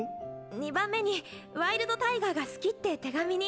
２番目にワイルドタイガーが好きって手紙に。